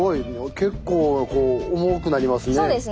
結構重くなりますね。